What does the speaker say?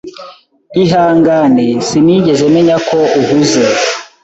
Ihangane, Sinigeze menya ko uhuze.